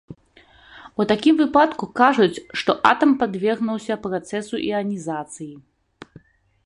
У такім выпадку кажуць, што атам падвергнуўся працэсу іанізацыі.